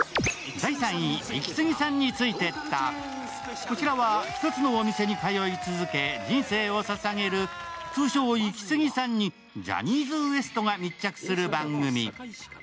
こちらは１つのお店に通い続け、人生をささげる通称イキスギさんにジャニーズＷＥＳＴが密着する番組。